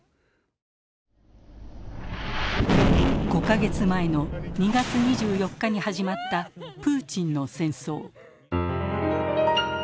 ５か月前の２月２４日に始まった「プーチンの戦争」。